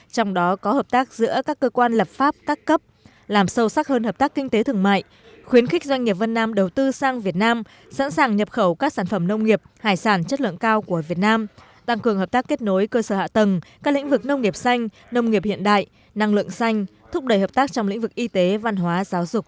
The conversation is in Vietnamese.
trong đó có hợp tác giữa các cơ quan lập pháp các cấp làm sâu sắc hơn hợp tác kinh tế thương mại khuyến khích doanh nghiệp vân nam đầu tư sang việt nam sẵn sàng nhập khẩu các sản phẩm nông nghiệp hải sản chất lượng cao của việt nam tăng cường hợp tác kết nối cơ sở hạ tầng các lĩnh vực nông nghiệp xanh nông nghiệp hiện đại năng lượng xanh thúc đẩy hợp tác trong lĩnh vực y tế văn hóa giáo dục